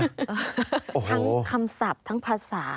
ทั้งคำศัพท์ทั้งภาษา